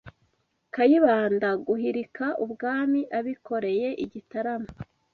Kayibanda guhirika ubwami abikoreye i Gitarama,